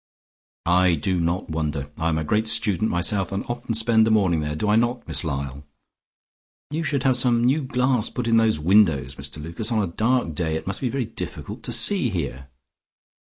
"I do not wonder. I am a great student myself and often spend a morning there, do I not, Miss Lyall? You should have some new glass put in those windows, Mr Lucas. On a dark day it must be very difficult to see here.